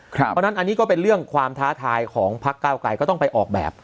เพราะฉะนั้นอันนี้ก็เป็นเรื่องความท้าทายของพักเก้าไกรก็ต้องไปออกแบบ